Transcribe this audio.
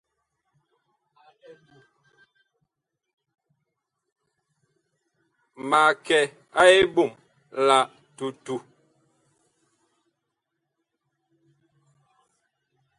Mag kɛ a eɓom la tutu.